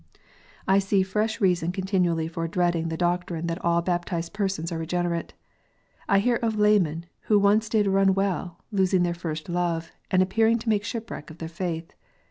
I see fresh reason continually for dreading the doctrine that all baptized persons are regenerate. I hear of laymen who once did run well, losing their first love, and appearing to make ship wreck of their faith.